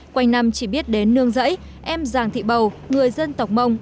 quanh năm chỉ biết đến nương giấy em giàng thị bầu người dân tộc mông